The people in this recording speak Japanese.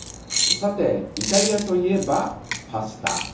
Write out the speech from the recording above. さてイタリアといえばパスタ。